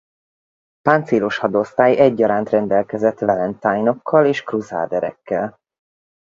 Páncélos Hadosztály egyaránt rendelkezett Valentine-okkal és Crusaderekkel.